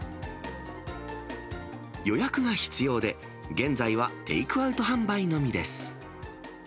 予約が必要で、現在はテイクアウト販売のみです。